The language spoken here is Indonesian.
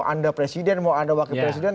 anda presiden mau anda wakil presiden